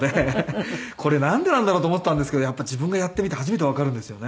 これなんでなんだろう？と思っていたんですけどやっぱり自分がやってみて初めてわかるんですよね。